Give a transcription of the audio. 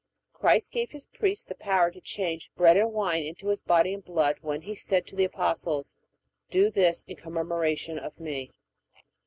Christ gave His priests the power to change bread and wine into His body and blood when He said to the Apostles, Do this in commemoration of Me.